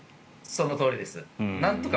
そのとおりです。